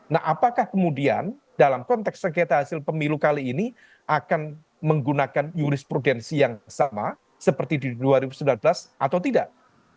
nah apakah kemudian dalam konteks sengketa hasil pemilu kali ini akan menggunakan jurisprudensi yang sama seperti di dua ribu sembilan belas atau tidak